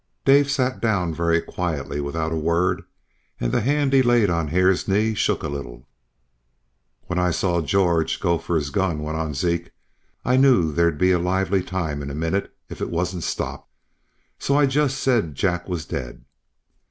Dave sat down very quietly without a word, and the hand he laid on Hare's knee shook a little. "When I saw George go for his gun," went on Zeke, "I knew there'd be a lively time in a minute if it wasn't stopped, so I just said Jack was dead."